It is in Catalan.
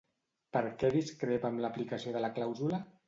Per què discrepa amb l'aplicació de la clàusula?